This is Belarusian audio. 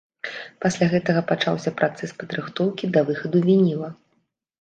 Пасля гэтага пачаўся працэс падрыхтоўкі да выхаду вініла.